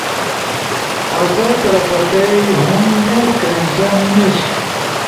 آسئی طرف کئی ہم نیٹ کنکشن نیِش۔